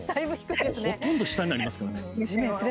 ほとんど下になりますからね。